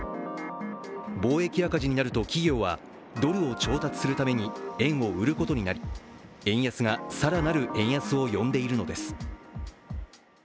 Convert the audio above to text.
貿易赤字になると企業はドルを調達するために円を売ることになり円安が更なる円安を呼んでいるのです。